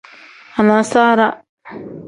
Anasaara.